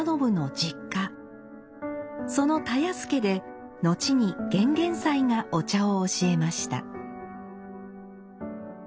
その田安家で後に玄々斎がお茶を教えました。